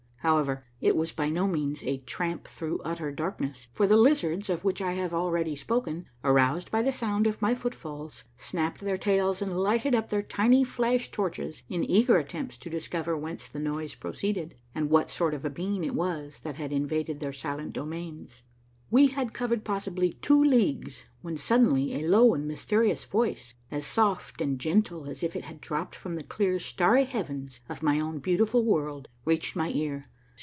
However, it was by no means a tramp through utter darkness, for the lizards of which I have already spoken, aroused by the sound of my foot falls, snapped their tails and lighted up their tiny flash torches in eager attempts to discover whence the noise proceeded, and what sort of a being it was that had invaded their silent domains. AVe had covered possibly two leagues when suddenly a low and mysterious voice, as soft and gentle as if it had dropped from the clear, starry heavens of my own beautiful world, reached my ear.